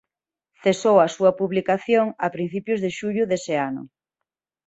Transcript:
Cesou a súa publicación a principios de xullo dese ano.